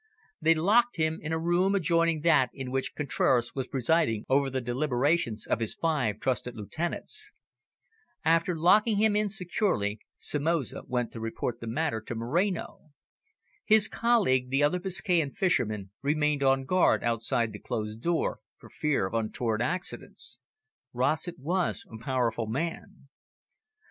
They locked him in a room adjoining that in which Contraras was presiding over the deliberations of his five trusted lieutenants. After locking him in securely, Somoza went to report the matter to Moreno. His colleague, the other Biscayan fisherman, remained on guard outside the closed door, for fear of untoward accidents. Rossett was a powerful man.